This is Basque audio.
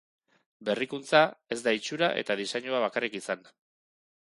Berrikuntza ez da itxura eta diseinua bakarrik izan.